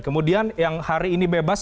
kemudian yang hari ini bebas